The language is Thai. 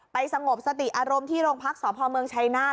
ไปสงบสติอารมณ์ที่โรงพักษณ์สพเมืองชายนาฬ